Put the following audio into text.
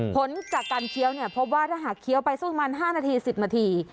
ผลจากการเคี้ยวเนี่ยพบว่าถ้าหากเคี้ยวไปสักประมาณ๕นาที๑๐นาที